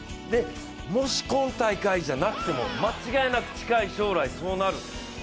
もし今大会じゃなくても間違いなく近い将来そうなる。